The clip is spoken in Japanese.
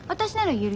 言える？